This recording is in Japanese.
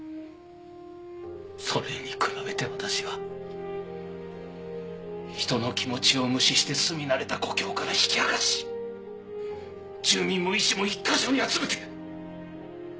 それに比べて私は人の気持ちを無視して住み慣れた故郷から引き剥がし住民も医師も１カ所に集めて。